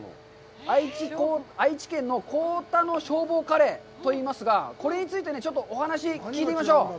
愛知県の幸田の消防カレーといいますが、これについてちょっとお話を聞いてみましょう。